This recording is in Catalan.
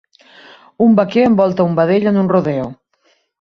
Un vaquer envolta un vedell en un rodeo.